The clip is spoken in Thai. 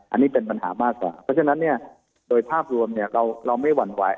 อันนี้เป็นปัญหามากกว่าเพราะฉะนั้นเนี่ยโดยภาพรวมเราไม่หวั่นไหว